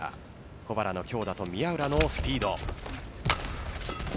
保原の強打と宮浦のスピード。